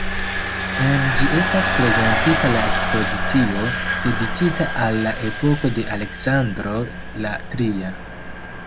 En ĝi estas prezentita la ekspozicio, dediĉita al la epoko de Aleksandro la Tria.